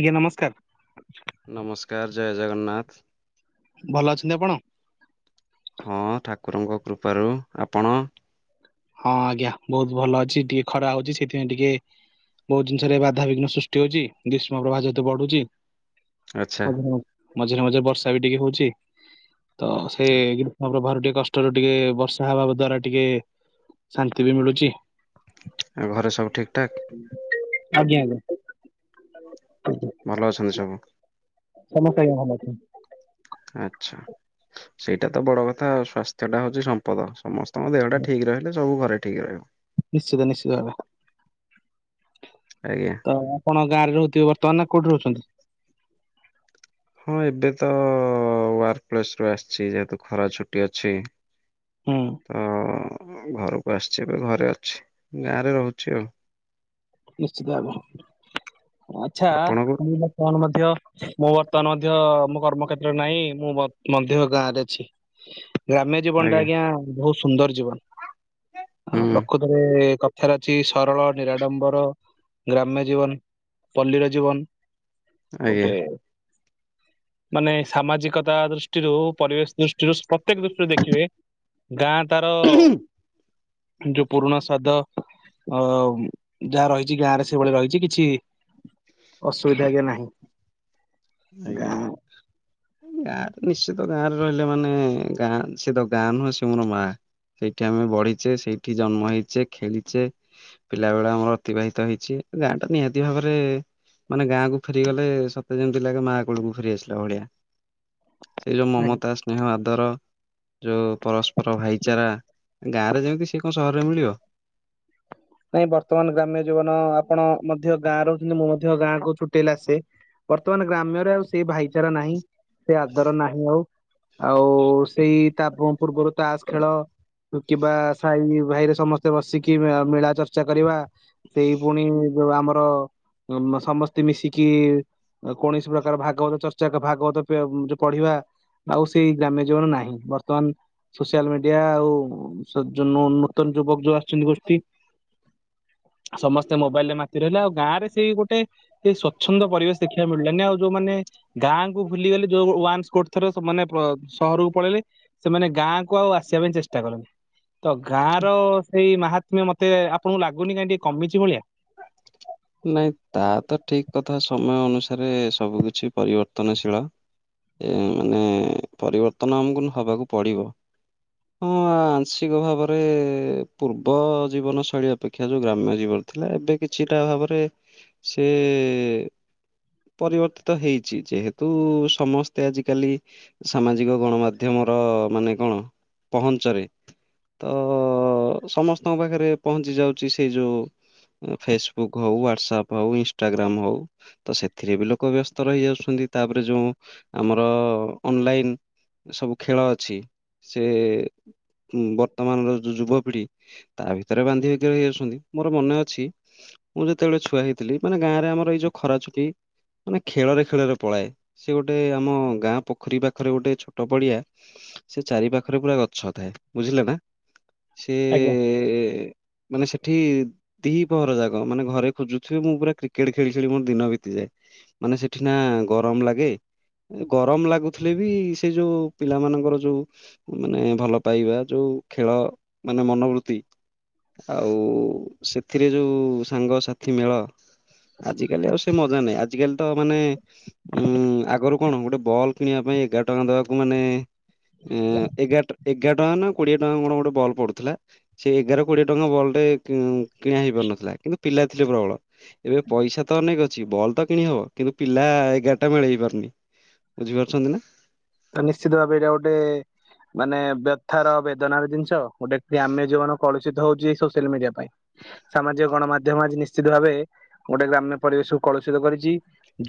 ଆଜ୍ଞା ନମସ୍କାର। ନମସ୍କାର ଜୟ ଜଗନ୍ନାଥ। ଭଲ ଅଛନ୍ତି ଆପଣ? ହଁ ଠାକୁରଙ୍କ କୃପାରୁ। ଆପଣ? ହଁ ଆଜ୍ଞା ବହୁତ ଭଲ ଅଛି। ଟିକେ ଖରା ହଉଚି ସେଥିପାଇଁ ଟିକେ ବହୁତ ଜିନିଷରେ ବାଧାବିଘ୍ନ ସୃଷ୍ଟି ହଉଚି, ଗ୍ରୀଷ୍ମ ପ୍ରବାହ ଯେତେ ବଢୁଚି। ଆଚ୍ଛା ଆଜ୍ଞା ହଁ। ମଝିରେ ମଝିରେ ବର୍ଷା ବି ଟିକେ ହଉଛି। ତ ସେ। [inaudible] ଟିକେ କଷ୍ଟରୁ ଟିକେ ବର୍ଷା ହବାବ ଦ୍ଵାରା ଟିକେ ଶାନ୍ତି ବି ମିଳୁଛି। ଆଉ ଘରେ ସବୁ ଠିକଠାକ୍। ଆଜ୍ଞା ଆଜ୍ଞା। ଭଲ ଅଛନ୍ତି ସବୁ। ସମସ୍ତେ ଆଜ୍ଞା ଭଲ ଅଛନ୍ତି। ଆ। ଆଚ୍ଛା। ସେଇଟା ତ ବଡ କଥା ଆଉ ସ୍ୱାସ୍ଥ୍ୟ ଟା ହଉଛି ସମ୍ପଦ ସମସ୍ ତମ ଦେହ ଟା ଠିକ ରହିଲେ ସବୁ ଘରେ ଠିକ ରହିବ। ନିଶ୍ଚିତ ନିଶ୍ଚିତ ଭାବେ। ଆଜ୍ଞା ତ ଆପଣ ଗାଁରେ ରହୁଥିବେ ବର୍ତ୍ତମାନ ନା କୋଉଠି ରହୁଛନ୍ତି। ହଁ ଏବେ ତ ୱାର୍କ ପ୍ଲେସ ରୁ ଆସିଛି ଯେହେତୁ ଖରା ଛୁଟି ଅଛି। ହୁଁ। ତ ଘରକୁ ଆସିଛି ଏବେ ଘରେ ଅଛି ଗାଁରେ ରହୁଛି ଆଉ। ନିଶ୍ଚିତ ଭାବେ ଆଚ୍ଛା ଆପଣଙ୍କୁ [unintelligible] ମଧ୍ୟ ମୁଁ ବର୍ତ୍ତମାନ ମଧ୍ୟ ମୋ କର୍ମ କ୍ଷେତ୍ର ରେ ନାହିଁ ମୁଁ ମ୍ ମଧ୍ୟ ଗାଁ ରେ ଅଛି। ଗ୍ରାମ୍ୟ ଜୀବନ ଟା ଆଜ୍ଞା ବହୁତ ସୁନ୍ଦର। ଜୀବନ। ଆ ହୁଁ ପ୍ରକୃତରେ କଥାରେ। [inaudible] ସରଳ ନିରାଡମ୍ବ ର ଗ୍ରାମ୍ୟ ଜୀବନି ପଲ୍ଲୀର ଜୀବନ ଆଜ୍ଞା ଗୋଟେ ମାନେ ସାମାଜିକତା ଦୃଷ ଦୃଷ୍ଟିରୁ ପରିବେଶ ଦୃଷ୍ଟିରୁ ପ୍ରତ୍ୟେକ ଦୃଷ୍ଟିରୁ ଦେଖିବେ ଗାଁ ତାର ଯୋଉ ପୁରୁଣା ସ୍ୱାଦ ଅ ଯାହା ରହିଛି ଗାଁ ରେ ସେଭଳି ରହିଛି କିଛି ଅସୁବିଧା ଆଜ୍ଞା ନାହିଁ। [inaudible] ଆଜ୍ଞା। ଗାଁ ଗାଁରେ ନିଶ୍ଚିତ ଗାଁରେ ରହିଲେ ମାନେ ଗାଁ ସେ ତ ଗାଁ ନୁହଁ ସ ମୋର ମା ସେଇଠି ଆମେ ବଢିଛେ ସେଇଠି ଗାଁ ରେ ନିଶ୍ଚିତ ଗାଁ ରେ ରହିଲେ ମାନେ ଗାଁ ସେ ତ ଗାଁ ନୁହେଁ ସେ ମୋର ମା ସେଇଠି ଆମେ ବଢ଼ିଛେ ସେଇଠି ଜନ୍ମ ହେଇଛେ ଖେଳିଛେ ପିଲା ବେଳ ଆମର ଅତିବାହିତ ହେଇଛେ ଗାଁ ଟା ନିହାତି ଭାବରେ ମାନେ ଗାଁକୁୁ ଫେରିଗଲେ ସତେ ଯେମିତି ିଲ ମାଆ କୂଳକୁ ଫେରି ଆସିଲା ଭଳିଆ। ସେଇ ଯୋଉ ମମତା ସ୍ନେହ ଆ ର ଯୋଉ ପରସ୍ପର ଭାଇଚାରା ଗାଁରେ ଯେମିତି ସେ କଣ ସହରରେ ମିଳିବ। ନାଇଁ ବର୍ତ୍ତମାନ ଗ୍ରାମ୍ୟ ଜୀବନ ଆପଣ ମଧ୍ୟ ଗାଁ ରହୁଛନ୍ତି ମୁଁ ମଧ୍ୟ ଗାଁ କୁ ଛୁଟେଇଲା ଆସ। ବର୍ତ୍ତମାନ ଗ୍ରାମ୍ୟରେ ଆଉ ସେ ଭାଇଚାରା ନାହିଁ ସେ ଆଦର ନାହିଁ ଆଉ ଆଉ ସେଇ ତା ପୂର୍ବରୁ ତାସ୍‌ ଖେଳ କି ବା ସାଇ ଭାଇରେ। ସମସ୍ତେ ବସିକି ମେଳା। ଚର୍ଚ୍ଚା କରିବା। ସେଇ ପୁଣି ଯଉ ଆମର। ର ସମସ୍ତେ ମିଶିକି କୌଣସି ପ୍ରକାର ଭାଗବତ ଚର୍ଚା ଯ ଭାଗବତ ପଢିବା। ଆଉ ସେଇ ଗ୍ରାମ୍ୟ ଜୀବନ ନାହିଁ। ବର୍ତ୍ତମାନ ସୋସିଆଲ ମିଡିଆ ଆଉ। ନୂତନ ଜୀବନ ଯଉ ଆସିଛନ୍ତି ଗୋଷ୍ଠୀ। ସମସ୍ତେ ମୋବାଇଲରେ ମାତି ରହିଲେ। ଆଉ ଗାଁ ରେ ସେଇ ଗୋଟେ ସେଇ ସ୍ଵଚ୍ଛନ୍ଦ ପରିବେଶ ଦେଖିବାକୁ ମିଳିଲାନି। ଆଉ ଯୋଉମାନେ ଗାଁ କୁ ଭୁଲିଗଲେ ଯଉ ୱାନ ସ୍କୋର୍ଥ ର। ସମାନେ ସହରକୁ ପଳେଇଲେ ସେମାନେ ଗାଁକୁ ଆଉ ଆସିବା ପାଇଁ ଚେ। [unintelligible] ତ ଗାଁ ର ସେଇ ମାହା ତୁମେ ମତେ ଆ ଆପଣଙ୍କୁ ଲାଗୁନି କାହିଁ ଟିକେ କମିଛି ଭଳିଆ। ନାଇଁ ତା ତ ଠିକ କଥା ସମୟ ଅନୁସାରେ ସବୁ କିଛି ପରିବର୍ତ୍ତନଶୀଳ। ଏ ମାନେ ପରିବର୍ତ୍ତନ ଆମକୁ ହବାକୁ ପଡିବ। ହଁ ଆଂଶିକ ଭାବରେ ପୂର୍ବ ଜୀବନ ଶୈଳୀ ଅପେକ୍ଷା ଯୋଉ ଗ୍ରାମ୍ୟ ଜୀବନ ଥିଲା। ଏବେ କିଛିଟା ଭାବରେ। ରେ ସେ ପରିବର୍ତ୍ତିତ ହେଇଛି। ଯେହେତୁ ସମସ୍ତେ ଆଜିକାଲି ସାମାଜିକ ଗଣମାଧ୍ୟମର ମାନେ କଣ ପହଞ୍ଚରେ। ତ ସମସ୍ତଙ୍କ ପାଖରେ ପହଞ୍ଚି ଯାଉଛି ସେଇ ଯୋଉ ଫେସବୁକ୍। ହଉ ହ୍ୱାଟ୍ସଅପ, ଇନଷ୍ଟାଗ୍ରାମ ହଉ ତ ସେଇଥି ରେ ବି ଲୋକ ବେସ୍ତ ରହିଯାଉଛନ୍ତି। ତାପରେ ଯଉ ଆମର ଅନଲାଇନ ସବୁ ଖେଳ ଅଛି ସେଏ। ହୁଁ ବର୍ତ୍ତମାନ ର ଯଉ ଯୁବକ। ଢ଼ି ତା ଭିତରେ ବାନ୍ଧି ହୋଇକି ରହି ଯାଉଛନ୍ତି ମୋର ମନେ ଅଛି। ମୁଁ ଯେତେବେଳେ ଛୁଆ ହେଇଥିଲି। ମାନେ ଗାଁ ରେ ଆମର ଏଇ ଯୋଉ ଖରା ଛୁଟି। ମାନେ ଖେଳରେ ଖେଳରେ ପଳାଏ ସେ ଗୋଟେ ଆମ ଗାଁ ପୋଖରୀ ପାଖରେ ଗୋଟେ ଛୋଟ ପଡିଆ। ସେ ଚାରି ପାଖରେ ପୁରା ଗଛ ଥାଏ। ବୁଝିଲେ ନା। ସେଏ ଆଜ୍ଞା। ଏ ଏ ଏ ମାନେ ସେଠି। ଦିହି ପହର ଯାକ। ଯାକ ମାନେ ଘରେ ଖୋଜୁଥିବେ ମୁଁ ପୁରା କ୍ରିକେଟ ଖେଳି ଖେଳି ମୋର ଦିନ ବିତିଯାଏ। ମାନେ ସେଠି ନା ଗରମ ଲାଗେ। ଗରମ ଲାଗୁଥିଲେ ବି ସେ ଯୋଉ ପିଲା ମାନଙ୍କର ଯୋଉ ମାନେ ଭଲ ପାଇବା। ଯୋଉ ଖେଳ ମାନେ ମନୋବୃତ୍ତି ଆଉ ସେଥିରେ ଯୋଉ। ସାଙ୍ଗସାଥି ମେଳ। ଆଜିକାଲି ଆଉ ସେ ମଜା ନାହିଁ। ଆଜିିକାଲି ତ ମାନେ ଉଁ ଆଗରୁ। କଣ ଗୋଟେ ବଲ୍ କିଣିବା ପାଇଁ ଏଗାର ଟଙ୍କା ଦବାକୁ ମାନେ। ଏଗାର ଟଙ୍କା ନା କୋଡିଏ ଟଙ୍କା କଣ ଗୋଟେ ବଲ୍ ପଡୁଥିଲା। ସେ ଏଗାର କୋଡିଏ ଟଙ୍କା ବଲ୍ ଟେ କିଣା ହେଇପାରୁନଥିଲା। କିନ୍ତୁ ପିଲା ଥିଲେ ପ୍ରବଳ। ଏବେ ପଇସା ତ ଅନେକ ଅଛି ବଲ ତ କିଣି ହବ। କିନ୍ତୁ ପିଲା ଏଗାରଟା ମେଳ ହେଇ ପାରୁନି ବୁଝିପାରୁଛନ୍ତି ନା। ତ ନିଶ୍ଚିତ ଭାବେ ଏଇଟା ଗୋଟେ ମାନେ ବ୍ୟଥାର ବେଦନା ର ଜିନିଷ। [inaudible] [unintelligible] ବେସିତ ହଉଛି ଏଇ ସୋସିଆଲ ମିଡ଼ିଆ ପାଇଁ। ସାମାଜିକ ଗଣମାଧ୍ୟମ ଆଜି ନିଶ୍ଚିତ ଭାବେ। ଗୋଟେ ଗ୍ରାମ୍ୟ ପରିବେଶ କୁ କଳୁଷିତ କରିଚି।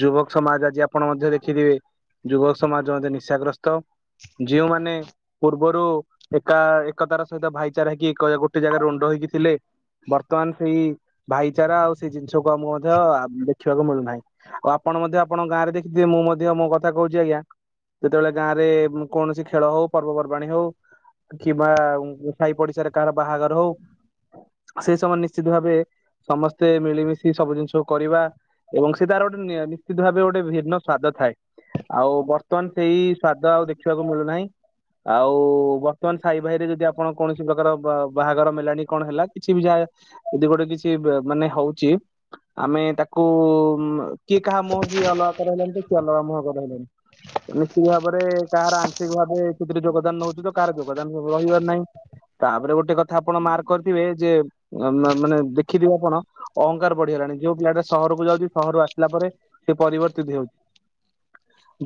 ଯୁବକ ସମାଜ ଆଜି ଆପଣ ମଧ୍ୟ ଦେଖିଥିବେ ଯୁବକ ସମାଜ ମଧ୍ୟ। ନିଶାଗ୍ରସ୍ତ ଯେଉଁମାନେ ପୂର୍ବ ରୁ ଏକା ଏକତାର ସହିତ ଭାଇଚାରା କି ଗୋଟେ ଜାଗା ରେ ରୁଣ୍ଢ ହେଇକି ଥିଲେ। ବର୍ତ୍ତମାନ ସେହି ଭାଇଚାରା ଆଉ ସେହି ଜିନିଷ କୁ ମୁଁ ମଧ୍ୟ ଦେଖିବା କୁ ମିଳୁନାହିଁ। ଓ ଆପଣ ମଧ୍ୟ ଆପଣଙ୍କ ଗାଁ ରେ ଦେଖି ଥିବେ। ମୁଁ ମଧ୍ୟ ମୋ କଥା କହୁଛି ଆଜ୍ଞା। ଯେତେବେଳେ ଗାଁ ରେ କୌଣସି ଖେଳ ହେଉ ପର୍ବପର୍ବାଣୀ ହେଉ। କିମ୍ବା ସାହି ପଡିଶାରେ କାହାର ବାହାଘର ହେଉ। ସେ ସମୟ ନିଶ୍ଚିତ ଭାବେ ସମସ୍ତେ ମିଳିମିଶି ସବୁ ଜିନିଷକୁ କରିବା। ଏବଂ ସେ ତାର ଗୋଟେ ନିଶ୍ଚିତ ଭାବେ ଗୋଟେ ଭିନ୍ନ ସ୍ଵାଦ ଥାଏ। ଆଉ ବ ର୍ତ୍ତମାନ ସେଇ ସ୍ଵାଦ ଆଉ ଦେଖିବାକୁ ମିଳୁନାହିଁ। ଆଉ ବର୍ତ୍ତମାନ ସାଇ ଭାଇ ରେ ଯଦି ଆପଣ କୌଣସି ପ୍ରକାର ବାହାଘର ମେଲାଣି କଣ ହେଲା। କିଛି ବି ଯାହା ଯଦି ଗୋଟେ କିଛି ମାନେ ହଉଛି। ଆମେ ତାକୁ କିଏ କାହା ମୁହଁ କିଏ ଅଲଗା କରହେଇଲାଣି। ତ କିଏ ଅଲଗା ମୁହଁ କଲାଣି ନିଶ୍ଚିତ ଭାବରେ କାହାର ଆଂଶିକ ଭାବେ ସେଥିରେ ଯୋଗଦାନ ରହୁଚି। ତ କାହାର ଯୋଗଦାନ ରହିବାର ନାହିଁ। ତାପରେ ଗୋଟେ କଥା ଆପଣ ମାର୍କ କରିଥିବେ ଯେ ମାନେ ଦେଖିଥିବେ ଆପଣ ଅହଙ୍କାର ବଢିଗଲାଣି। ଯୋଉ ପିଲା ଟା ସହରକୁ ଯାଉଛି ସହରରୁ ଆସିଲା ପରେ ସେ ପରିବର୍ତ୍ତିତ ହେଉଯାଉଛି।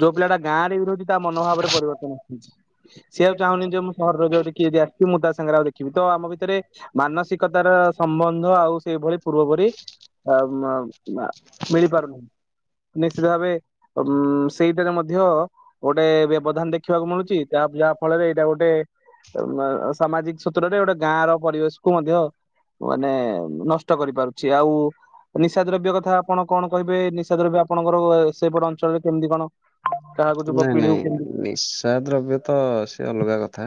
ଯୋଉ ପିଲାଟା ଗାଁ ରେ ବି ରହୁଛି ତା ମନୋଭାବରେ ପରିବର୍ତ୍ତନ ଆସୁଛି। ସିଏ ଆଉ ଚାହୁଁନି ଯେ ମୁଁ ସହରରେ କିଏ ଯଦି ଆସିଛି ମୁଁ ତା ସାଙ୍ଗରେ ଆଉ ଦେଖିବି। ତ ଆମ ଭିତରେ ମାନସିକତାର ସମ୍ବନ୍ଧ ଆଉ ସେଇଭଳି ପୂର୍ବପରି ମିଳିପାରୁନାହିଁ। ନିଶ୍ଚିତ ଭାବେ ସେଇଟ ମଧ୍ୟ ଗୋଟେ ବ୍ୟବଧାନ ଦେଖିବାକୁ ମିଳୁଛି। ଯାହା ଫଳରେ ଏଇଟା ଗୋଟେ ସାମାଜିକ ସୂତ୍ରରେ ଗୋଟେ ଗାଁ ର ପରିବେଶ କୁ ମଧ୍ୟ ମାନେ ନଷ୍ଟ କରିପାରୁଛି ଆଉ ନିଶା ଦ୍ରବ୍ୟ କଥା ଆପଣ କଣ କହିବେ ନିଶା ଦ୍ରବ୍ୟ ଆପଣଙ୍କର ସେପଟ ଅଞ୍ଚଳରେ କେମିତି କଣ? କାହାକୁ ନାଇଁ ଯୁବପିଢି ନାଇଁ କେମିତି ନିଶା ଦ୍ରବ୍ୟ ତ ସେ ଅଲଗା କଥା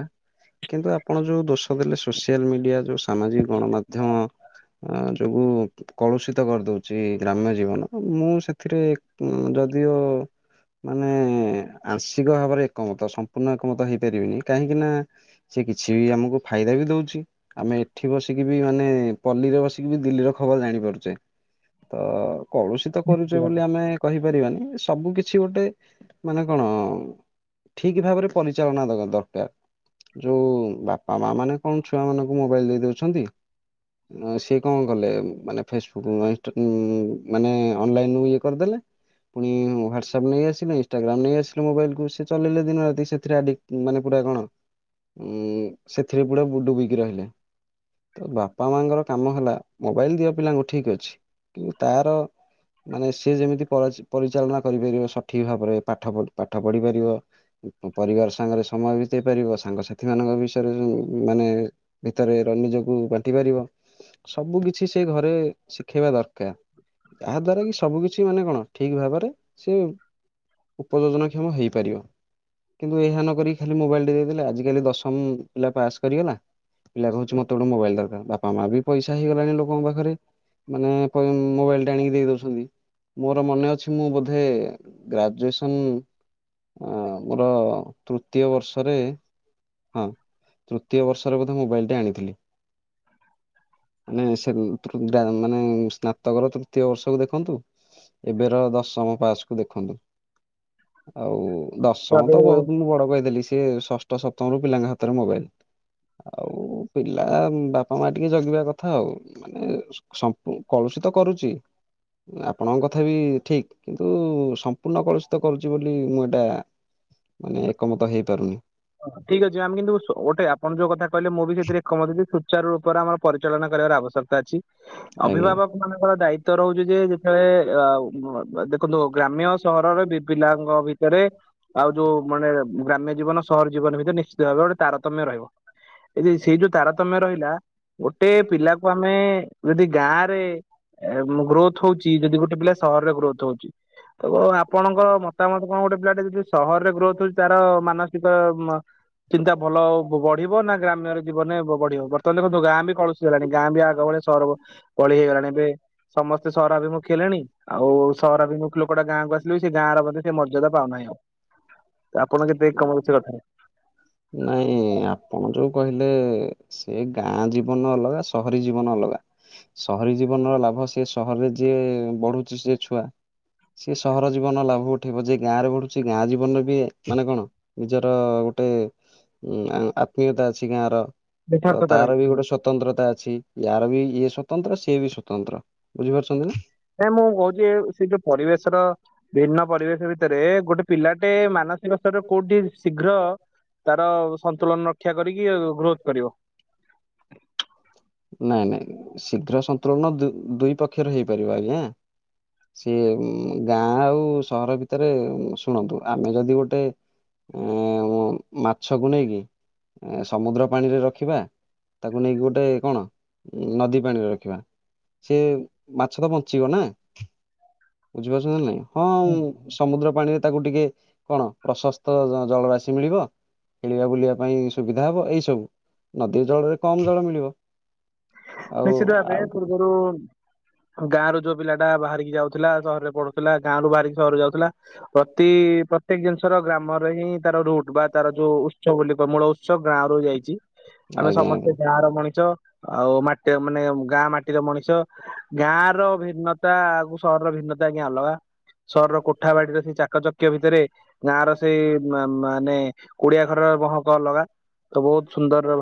କିନ୍ତୁ ଆପଣ ଯୋଉ ଦୋଷ ଦେଲେ ସୋସିଆଲ ମିଡିଆ ଯୋଉ ସାମାଜିକ ଗଣମାଧ୍ୟମ ଯୋଗୁ କଳୁଷିତ କରିଦଉଛି ଗ୍ରାମ୍ୟ ଜୀବନ ମୁଁ ସେଥିରେ ଯଦିଓ ମାନେ ଆଂଶିକ ଭାବରେ ଏକମତ ସମ୍ପୂର୍ଣ୍ଣ ଏକମତ ହେଇପାରିବିନି କାହିଁକିନା ସେ କିଛି ବି ଆମକୁ ଫାଇଦା ବି ଦଉଛି ଆମେ ଏଠି ବସିକି ବି ମାନେ ପଲ୍ଲୀରେ ବସିକି ବି ଦିଲ୍ଲୀର ଖବର ଜାଣିପାରୁଛେ ତ କଳୁଷିତ କରୁଛେ ବୋଲି ଆମେ କହି ପାରିବାନି ସବୁ କିଛି ଗୋଟେ ମାନେ କଣ ଠିକ ଭାବରେ ପରିଚାଳନା ଦେବା ଦରକାର ଯୋଉ ବାପା ମା ମାନେ କଣ ଛୁଆ ମାନଙ୍କୁ ମୋବାଇଲ ଦେଇ ଦଉଛନ୍ତି ସିଏ କଣ କଲେ ମାନେ ଫେସବୁକ୍ ଇନ୍ ଅନଲାଇନ୍ ରୁ ୟେ କରିଦେଲେ ପୁଣି ହ୍ୱାଟସପ ନେଇ ଆସ ଇନଷ୍ଟାଗ୍ରାମ ନେଇ ଆସିଲେ ମୋବାଇଲ କୁ ସେ ଚଲେଇଲେ ଦିନ ରାତି ସେଥିରେ ଆଡିକ ମାନେ ପୁରା କଣ ସେଥିରେ ପୁରାଡୁବିକି ରହିଲେ ତ ବାପା ମାଙ୍କର କାମ ହେଲା ମୋବାଇଲ ଦିଆ ପିଲାଙ୍କୁ ଠିକ ଅଛି କିନ୍ତୁ ତାର ମାନେ ସ ଯେମିତି ପର୍ ପରିଚାଳନା କରିପାରିବ ଠିକ ଭାବରେ ପାଠ ପାଠ ପଢ଼ି ପାରିବ ପରିବାର ସାଙ୍ଗରେ ସମୟ ବିତେଇ ପାରିବ ସାଙ୍ଗସାଥି ମାନଙ୍କ ବିଷୟରେ ମାନେ ଭିତରେ ନିଜକୁ ବାଣ୍ଟି ପାରିବ ସବୁ କିଛି ସେ ଘରେ ଶିଖେଇବା ଦରକାର ଯାହା ଦ୍ୱାରା କି ସବୁ କିିଛି ମାନେ କଣ ଠିକ ଭାବରେ ସେ ଉପଯୋଜନାକ୍ଷମ ହୋଇପାରିବ। କିନ୍ତୁ ଏହା ନକରି ଖାଲି ମୋବାଇଲ ଟି ଦେଇଦେଲେ ଆଜିକଲି ଦଶମ ପିଲା ପାସ୍ କରିଗଲା ପିଲା କହୁଛି ମୋତେ ଗୋଟେ ମୋବାଇଲ ଦରକା ବାପା ମା ବି ପଇସା ହେଇଗଲାଣି ଲୋକଙ୍କ ପାଖରେ ମାନେ ପଇ ମୋବାଇଲ ଟେ ଆଣିକି ଦେଇ ଦଉଛନ୍ତି ମୋର ମନେ ଅଛି ମୁଁ ବୋଧେ ଗ୍ରାଜୁଏସନ୍ ମୋର ତୃତୀୟ ବର୍ଷରେ ହଁ ତୃତୀୟ ବର୍ଷରେ ବୋଧେ ମୋବାଇଲଟି ଆଣିଥିଲି ମାନେ ମାନେ ସ୍ନାତକର ତୃତୀୟ ବର୍ଷକୁ ଦେଖନ୍ତୁ ଏବେର ଦଶମ ପାସ୍ ଦେଖନ୍ତୁ ଆଉ ଦଶମ ତ ଭାବେ? ବହୁତ୍ ମୁଁ ବଡ କହିଦେଥିଲି ସେ ସିଏ ଷଷ୍ଠ ସପ୍ତମରୁ ପିଲାଙ୍କ ହାତରେ ମୋବାଇଲ ଆଉ ପିଲା ବାପା ମା ଟିକେ ଜଗିବା କଥା ଆଉ ମାନେ ସମ୍ପୂ କଳୁଶୀତ କରୁଛି ଆପଣଙ୍କ କଥା ବି ଠିକ୍ କିନ୍ତୁ କିନ୍ତୁ ସମ୍ପୂର୍ଣ୍ଣ କଳୁଷିତ କରୁଛି ବୋଲି ମୁଁ ଏଇଟା ମାନେ ଏକମତ ହେଇପାରୁନି ଠିକ୍ ଅଛି ଆମେ କିନ୍ତୁ ଗଟେ ଆପଣ ଯୋଉ କଥା କହିଲ ମୁଁ ବି ସେଥିରେ ଏକମତ ଯେ ସୂଚାର୍ ରୂପରେ ଆମର ପରିଚାଳନା କରିବାର ଆବଶ୍ୟକତା ଅଛି। ଆଜ୍ଞା। ଅଭିଭାବକ ମାନଙ୍କର ଦାୟିତ୍ଵ ରହୁଛି ଯେ ଯେତେବେଳେ ଅ ହ ଦେଖନ୍ତୁ ଗ୍ରାମ୍ୟ ସହରରେ ବି ପିଲାଙ୍କ ଭିତରେ ଆଉ ଯୋଉ ମାନେ ଗ୍ରାମ୍ୟ ଜୀବନ ଜୀବନ ଭିତରେ ନିଶ୍ଚିତ ଭାବରେ ଗୋଟେ ତାରତମ୍ୟ ରହିବ। ଯଦି ସେଇ ଯୋଉ ତାରତମ୍ୟ ରହିଲା ଗୋଟେ ପିଲାକୁ ଆମେ ଯଦି ଗାଁରେ ଗ୍ରୋଥ୍ ହଉଛି ଯଦି ଗୋଟେ ପିଲା ସହରରେ ଗ୍ରୋଥ୍ ହଉଛି ତ ଆପଣଙ୍କ ମତାମତ କଣ ଗୋଟେ ପିଲା ଟେ ଯଦି ସହରରେ ଗ୍ରୋଥ୍ ହଉଛି ତାର ମାନ ତ ଚିନ୍ତା ଭଲ ବଢିବ ନା ଗ୍ରାମ୍ୟର ଜୀବନେ ବଢିବ ବର୍ତ୍ତମାନ ଦେଖନ୍ତୁ ଗାଁ ବି କଳୁଷିତ ହେଲାଣି ଗାଁ ବି ଆଗ ଭଳି ସହର ଭଳି ହେଇଗଲାଣି ଏବେ ସମସ୍ତେ ସହରାଭିମୁଖ ହେଲେଣି ଆଉ ସହରାଭିମୁଖି ଲୋକଟା ଗାଁକୁ ଆସିଲେ ବି ସେ ଗାଁର ମଧ୍ଯ ସେ ମର୍ଯ୍ୟଦା ପାଉନାହିଁ ଆଉ ଆପଣ ଯ କମଉଛି କଥାରେ ନାଇଁ ଆପଣ ଯୋଉ କହିଲେ ସେ ଗାଁ ଜୀବନ ଅଲଗା ସହରୀ ଜୀବନ ଅଲଗା ସହରୀ ଜୀବନର ଲାଭ ସେ ସହରରେ ଯିଏ ବଢୁଛି ସେି ଛୁଆ ସିଏ ସହର ଜୀବନର ଲାଭ ଉଠେଇବ ଯିଏ ଗାଁ ରେ ବଢୁଛି ଗାଁ ଜୀବନରେ ବି ମାନେ କଣ ନିଜର ଗୋଟେ ଉଁ ଆତ୍ମୀୟତା ଅଛି ଗାଁର ତ ଯଥାର୍ଥତା ତାର ରହିଛି ବି ଗୋଟେ ସ୍ଵତନ୍ତ୍ରତା ଅଛି। ୟାର ବି ଇଏ ସ୍ଵ ସ୍ୱତନ୍ତ୍ର ସିଏ ବି ସ୍ୱତନ୍ତ୍ର ବୁଝିପାରୁଚନ୍ତି ନା? ଏ ମୁଁ କହୁଚି ସେ ଯଉ ପରିବେଶ ର ଭିନ୍ନ ପରିବେଶ ଭିତରେ ଗୋଟେ ପିଲାଟେ ମାନସିକ ସ୍ତରରେ କଉଠି ଶୀଘ୍ର ତାର ସନ୍ତୁଳନ। ରକ୍ଷା କରିକି ଗ୍ରୋଥ କରିବ। ନାଇଁ ନାଇଁ ଶୀଘ୍ର ସନ୍ତୁଳନ ଦୁଇ ଦୁଇ ପକ୍ଷରେ ହେଇପାରିବ ଆଜ୍ଞା। ସିଏ ଗାଁ ଆଉ ସହର ଭିତରେ ଶୁଣନ୍ତୁ ଆମେ ଯଦି ଗୋଟେ ଉଁ ମାଛକୁ ନେଇକି ଏ ସମୁଦ୍ର ପାଣିରେ ରଖିବା ତାକୁ ନେଇକି ଗୋଟେ କଣ ନଦୀ ପାଣିରେ ରଖିବା। ସେ ମାଛ ତ ବଞ୍ଚିବ ନା। ବୁଝିପାରୁଚନ୍ତି ନା ନାଇଁ। ହଁ ମୁଁ ସମୁଦ୍ର ପାଣିରେ ତାକୁ ଟିକେ କଣ ପ୍ରଶସ୍ତ ଜଳରାଶି ମିଳିବ ଖେଳିବା ବୁଲିବା ପାଇଁ ସୁବିଧା ହେବ। ଏଇସବୁ ନଦୀ ଜଳରେ କମ୍ ଜଳ ମିଳିବ। ଆଉ ନିଶ୍ଚିତ ଭାବେ ଆଉ ପୂର୍ବରୁ ଗାଁ ରୁ ଯଉ ପିଲାଟା ବାହାରିକି ଯାଉଥିଲା ସହରରେ ପଢୁଥିଲା ଗାଁ ରୁ ବାହାରିକି ସହର ଯାଉଥିଲା। ପ୍ରତି ପ୍ରତ୍ୟେକ ଜିନିଷର ଗ୍ରାମରେ ହିଁ ତାର ରୁଟ ବା ତାର ଯଉ ଉତ୍ସ ବୋଲି କମୂଳ ଉତ୍ସ ଗାଁ ରୁ ୟେ ହେଇଚି। ଆମେ ଆଜ୍ଞା ଆଜ୍ଞା। ସମସ୍ତେ ଗାଁ ର ମଣିଷ। ଆଉ ମା ଏ ମାନେ ଗାଁ ମାଟିର ମଣିଷ। ଗାଁ ର ଭିନ୍ନତା ଆକୁ ସହରର ଭିନ୍ନତା ଆଜ୍ଞା ଅଲଗା। ସହରର କୋଠା ବାଡିରେ ସେଇ ଚାକଚକ୍ୟା ଭିତରେ ଗାଁ ର ସେଇ ମାନେ କୁଡିଆ ଘରର ମହକ ଅଲଗା ତ ବହୁତ ସୁନ୍ଦର।